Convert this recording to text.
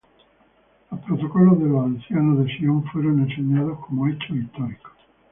Los Protocolos de los Ancianos de Sión fueron enseñados como hechos históricos.